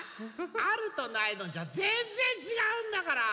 あるとないとじゃぜんぜんちがうんだから。